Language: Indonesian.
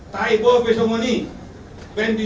saya berterima kasih